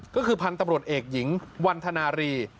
ก็คือพันธุ์ตำรวจเอกหญิงวันธนารี